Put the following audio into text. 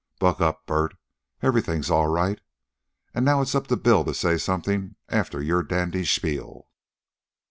"Buck up, Bert. Everything's all right. And now it's up to Bill to say something after your dandy spiel."